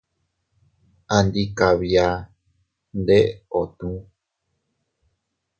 Andi kabia ndeeootuu.